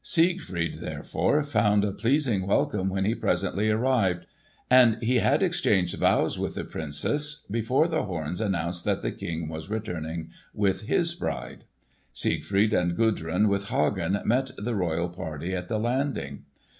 Siegfried, therefore, found a pleasing welcome when he presently arrived; and he had exchanged vows with the Princess before the horns announced that the King was returning with his bride. Siegfried and Gudrun with Hagen met the royal party at the landing.